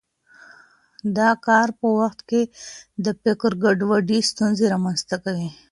د کار په وخت کې د فکر ګډوډي ستونزې رامنځته کوي.